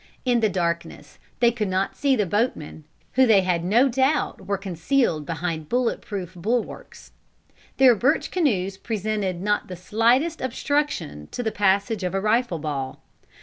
In the darkness, they could not see the boatmen, who they had no doubt were concealed behind bullet proof bulwarks. Their birch canoes presented not the slightest obstruction to the passage of a rifle ball.